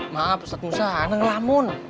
maaf ustadz musahana ngelamun